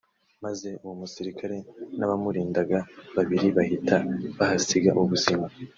maze uwo musirikare n’abamurindaga babiri bahita bahasiga ubuzima